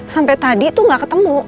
sampai tadi tuh gak ketemu